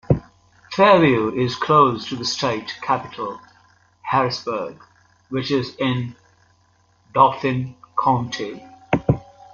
Fairview is close to the state capital, Harrisburg, which is in Dauphin County.